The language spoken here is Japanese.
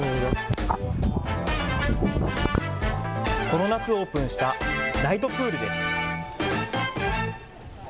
この夏オープンしたナイトプールです。